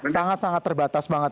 sangat sangat terbatas banget